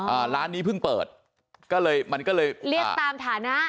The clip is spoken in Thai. อ่าร้านนี้เพิ่งเปิดก็เลยมันก็เลยเรียกตามฐานะ